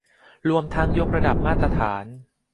รวมทั้งยกระดับมาตรฐาน